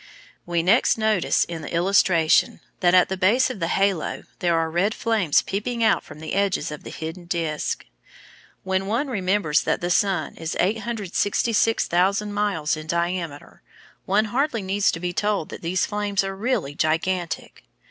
We next notice in the illustration that at the base of the halo there are red flames peeping out from the edges of the hidden disc. When one remembers that the sun is 866,000 miles in diameter, one hardly needs to be told that these flames are really gigantic.